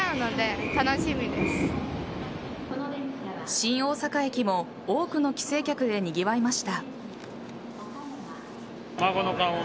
新大阪駅も多くの帰省客でにぎわいました。